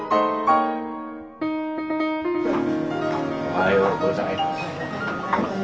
おはようございます。